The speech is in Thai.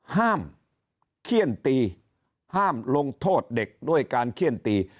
เขี้ยนตีห้ามลงโทษเด็กด้วยการเขี้ยนตี